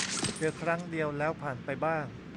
เจอครั้งเดียวแล้วผ่านไปบ้าง